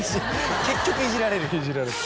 結局いじられる。